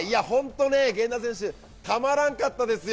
源田選手、たまらんかったですよ。